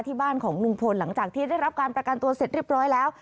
ที่บ้านของลุงพลหลังจากที่ได้รับการประกันตัวเสร็จเรียบร้อยแล้ว